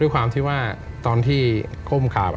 ด้วยความที่ว่าตอนที่ครงคราบ